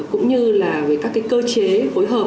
cũng như là về các cơ chế phối hợp